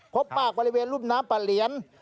พบมากบริเวณรุ่นน้ำปะเหลียน